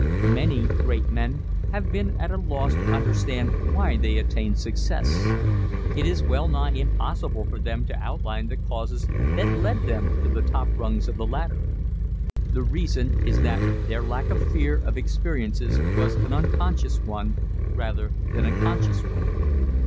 Many great men have been at loss to understand why they attained success. It is well nigh impossible for them to outline the causes that led them to the top rungs of the ladder. The reason is that their lack of fear of experiences was an unconscious one, rather than a conscious one.